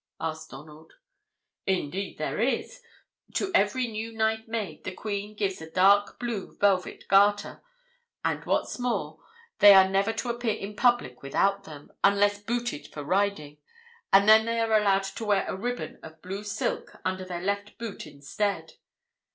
asked Donald. "Indeed there is. To every new Knight made the Queen gives a dark blue velvet garter, and what's more, they are never to appear in public without them, unless booted for riding, and then they are allowed to wear a ribbon of blue silk under their left boot instead.